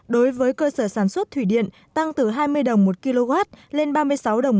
đối với cơ sở sản xuất thủy điện tăng từ hai mươi đồng một kw lên ba mươi sáu đồng